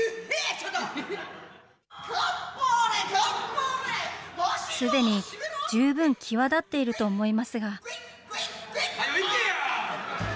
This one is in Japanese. カッポレ、すでに、十分際立っていると思いますが。